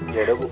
ya udah bang